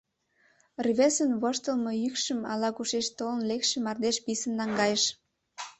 Рвезын воштылмо йӱкшым ала-кушеч толын лекше мардеж писын наҥгайыш.